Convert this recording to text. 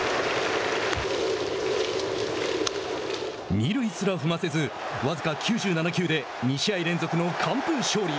二塁すら踏ませず僅か９７球で２試合連続の完封勝利。